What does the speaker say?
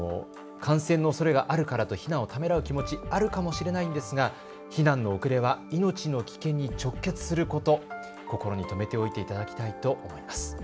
感染のおそれがあるからと避難をためらう気持ちあるかもしれないんですが避難の遅れは命の危険に直結すること、心に留めておいていただきたいと思います。